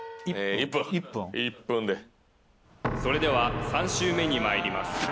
１分１分でそれでは３周目にまいります